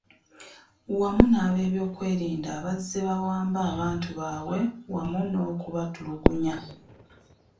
Wamu n'abeebyokwerinda abazze bawamba abantu baabwe wamu n'okubatulugunya.